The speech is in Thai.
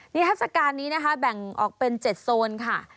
นิฮัศการนี้แบ่งออกเป็น๗โซนค่ะ